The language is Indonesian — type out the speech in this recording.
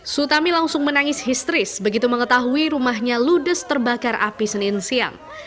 sutami langsung menangis histeris begitu mengetahui rumahnya ludes terbakar api senin siang